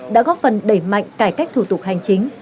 đã góp phần đẩy mạnh cải cách thủ tục hành chính